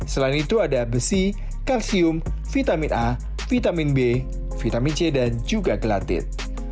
selain itu ada besi kalsium vitamin a vitamin b vitamin c dan juga gelatin